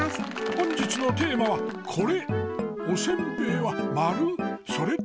本日のテーマはこれ！